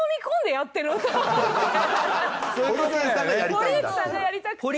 堀内さんがやりたくて。